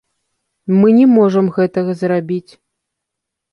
Мы не можам гэтага зрабіць.